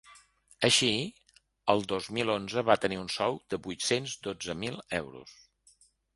Així, el dos mil onze va tenir un sou de vuit-cents dotze mil euros.